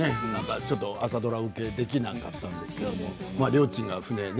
ちょっと朝ドラ受けができなかったですけどね。